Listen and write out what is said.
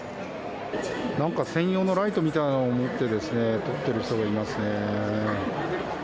なんか専用のライトみたいなのを持って、撮っている人もいますね。